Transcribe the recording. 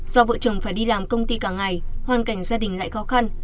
do vợ chồng phải đi làm công ty cả ngày hoàn cảnh gia đình lại khó khăn